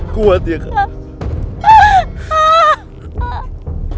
kuat ya kak